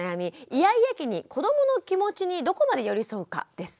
イヤイヤ期に子どもの気持ちにどこまで寄り添うかです。